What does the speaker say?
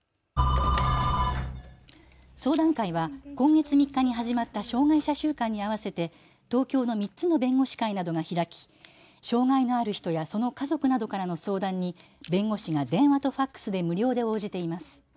相談会は今月３日に始まった障害者週間に合わせて東京の３つの弁護士会などが開き障害のある人やその家族などからの相談に弁護士が電話とファックスで無料で応じています。